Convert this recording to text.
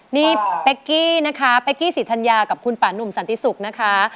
นี่เป๊กกี้นะคะเป๊กกี้ศรีธัญญากับคุณป่านุ่มสันติศุกร์นะคะ